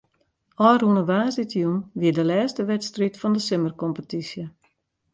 Ofrûne woansdeitejûn wie de lêste wedstriid fan de simmerkompetysje.